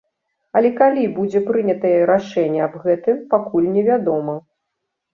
Але калі будзе прынятае рашэнне аб гэтым, пакуль не вядома.